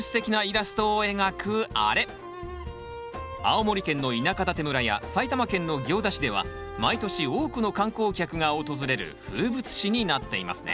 青森県の田舎館村や埼玉県の行田市では毎年多くの観光客が訪れる風物詩になっていますね。